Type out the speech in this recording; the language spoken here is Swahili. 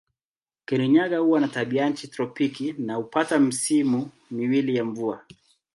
Kirinyaga huwa na tabianchi tropiki na hupata misimu miwili ya mvua.